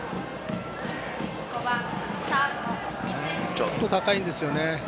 ちょっと高いんですよね。